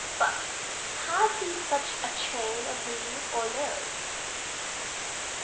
_ But had he such a chain of thee or no?